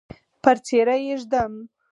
پر څیره یې ږدم